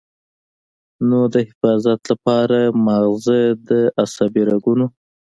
نو د حفاظت له پاره مازغۀ د عصبي رګونو